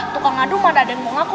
tukang ngadu mana ada yang mau ngaku